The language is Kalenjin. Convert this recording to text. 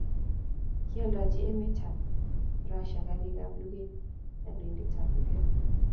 kioldochi emet ab russia karik ab luget kandoindet ab uganda